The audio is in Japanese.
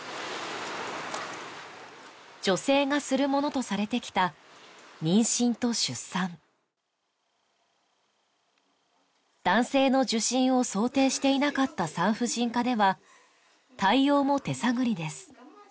女性がするものとされてきた妊娠と出産男性の受診を想定していなかった産婦人科では対応も手探りです